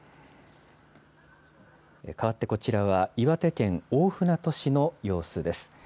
かわってこちらは岩手県大船渡市の様子です。